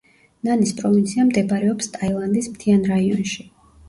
ნანის პროვინცია მდებარეობს ტაილანდის მთიან რაიონში.